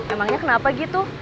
emangnya kenapa gitu